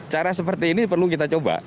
cara seperti ini perlu kita coba